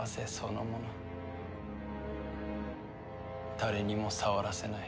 誰にも触らせない。